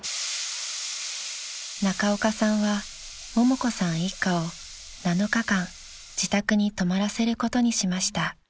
［中岡さんはももこさん一家を７日間自宅に泊まらせることにしました］